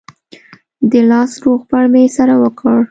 د لاس روغبړ مو سره وکړ.